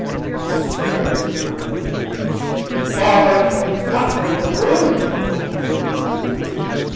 "You scurvy foot boy, you greasy barber, you cutthroat groom " "Overwhelm'!"